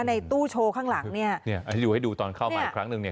ในตู้โชว์ข้างหลังเนี่ยให้ดูให้ดูตอนเข้ามาอีกครั้งหนึ่งเนี่ย